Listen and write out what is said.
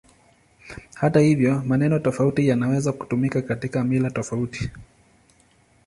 Hata hivyo, maneno tofauti yanaweza kutumika katika mila tofauti.